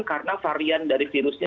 karena varian dari virusnya